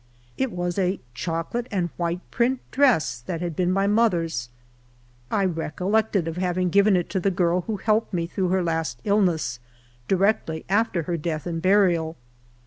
It was a chocolate and white print dress that had been my mother's. 1 recollected of having given it to the girl who helped me through her last illness, directly after her death and burial.